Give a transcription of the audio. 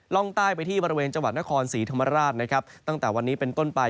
ร่องใต้ไปที่บริเวณจังหวัดนครศรีธรรมราชนะครับตั้งแต่วันนี้เป็นต้นไป